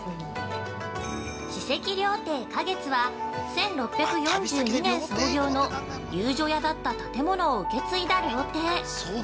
◆史跡料亭花月は１６４２年創業の遊女屋だった建物を受け継いだ料亭。